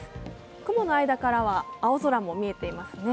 雲の間からは青空も見えていますね。